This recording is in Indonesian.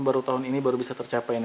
baru tahun ini baru bisa tercapai ini